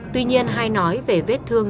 tuy nhiên hay nói về vết thương